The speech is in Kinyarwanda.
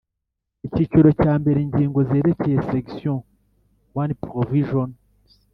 Icyiciro cya mbere Ingingo zerekeye Section One Provisions